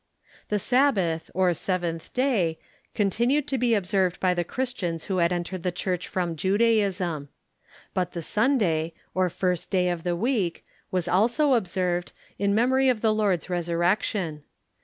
The Sabbath, or seventh day, continued to be observed by the Christians who had entered the Church from Judaism, But the Sunday, or first day of the week, was also The Sabbath , i •^ t t, observed, m memory or our Lord s resurrection.